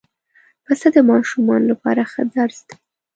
پسه د ماشومانو لپاره ښه درس دی.